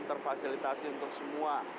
terfasilitasi untuk semua